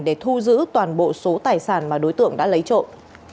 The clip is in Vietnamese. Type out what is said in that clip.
để thu giữ toàn bộ số tài sản mà đối tượng đã lấy trộm